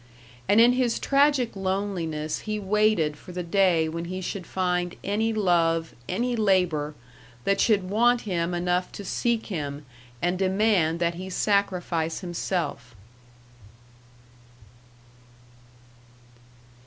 And in his tragic loneliness he waited for the day when he should find any love, any labor, that should want him enough to seek him and demand that he sacrifice himself.